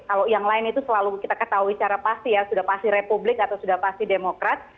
kalau yang lain itu selalu kita ketahui secara pasti ya sudah pasti republik atau sudah pasti demokrat